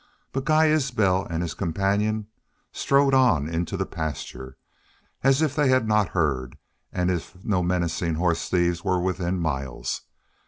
But Guy Isbel and his companion strode on into the pasture, as if they had not heard, as if no menacing horse thieves were within miles.